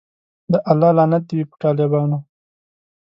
د الله لعنت دی وی په ټالبانو